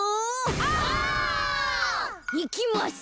オ！いきます！